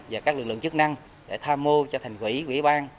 và các lực lượng chức năng để tha mua cho thành quỹ quỹ ban